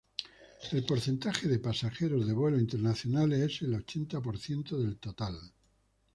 El porcentaje de pasajeros de vuelos internacionales es el ochenta por ciento del total.